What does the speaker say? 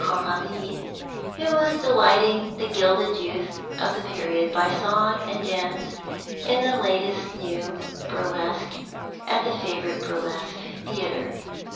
Coralie, who was delighting the gilded youth of the period by song and dance in the last new burlesque at the favourite burlesque theatre.